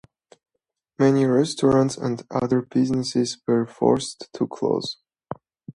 Many restaurants and other businesses were forced to close.